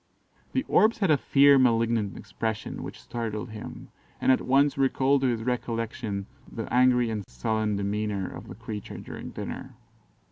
The orbs had a fierce malignant expression, which startled him, and at once recalled to his recollection the angry and sullen demeanour of the creature during dinner.